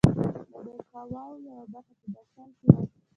د دې قواوو یوه برخه په درشل کې وه.